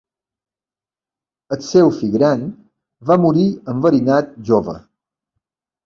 El seu fill gran va morir enverinat jove.